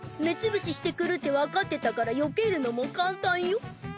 目つぶししてくるってわかってたからよけるのも簡単よ。